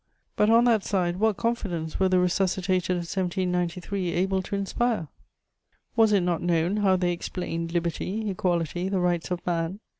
But on that side what confidence were the resuscitated of 1793 able to inspire? Was it not known how they explained liberty, equality, the rights of man?